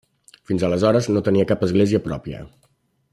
Fins aleshores no tenia cap església pròpia.